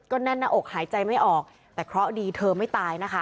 แน่นหน้าอกหายใจไม่ออกแต่เคราะห์ดีเธอไม่ตายนะคะ